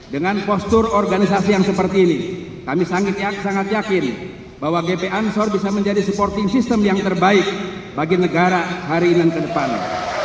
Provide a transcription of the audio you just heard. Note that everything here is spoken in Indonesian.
dengan postur organisasi yang seperti ini kami sangat yakin bahwa gp ansor bisa menjadi supporting system yang terbaik bagi negara hari ini ke depannya